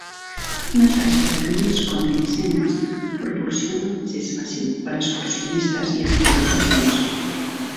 Una xarxa de camins contra incendis proporciona un accés fàcil per a excursionistes i esquiadors de fons.